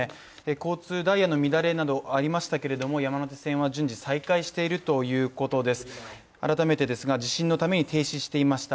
交通ダイヤの乱れなどありましたけれども山手線は順次再開しているということです